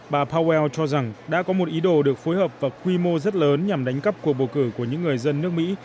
bà powell cho rằng đã có một ý đồ được phối hợp và quy mô rất lớn nhằm đánh cắp cuộc bầu cử của những người dân nước mỹ